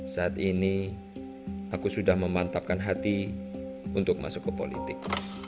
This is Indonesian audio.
saat ini aku sudah memantapkan hati untuk masuk ke politik